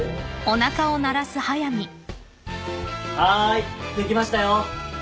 はいできましたよ。